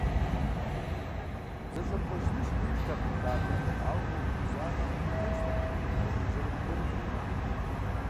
ЗэщӀэпкъуэжынышхуи илътэкъым хадэм, ауэ мо гумызагъэм лъэкӀтэкъым кӀэрыхубжьэрыху гуэри къринэн.